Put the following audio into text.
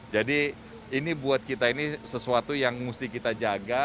jadi ini buat kita ini sesuatu yang mesti kita jaga